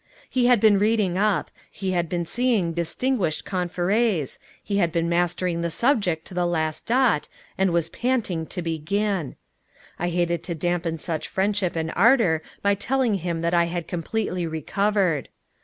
He had been reading up; he had been seeing distinguished confrères; he had been mastering the subject to the last dot, and was panting to begin. I hated to dampen such friendship and ardor by telling him that I had completely recovered.